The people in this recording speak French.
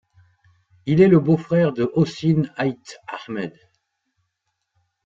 Il est le beau frère de Hocine Aït Ahmed.